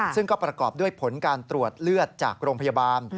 ซึ่งก็ประกอบด้วยผลการตรวจเลือดจากโรงพยาบาล